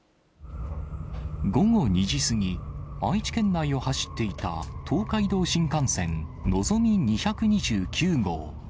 午後２時過ぎ、愛知県内を走っていた東海道新幹線のぞみ２２９号。